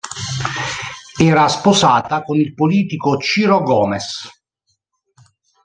Era sposata con il politico Ciro Gomes.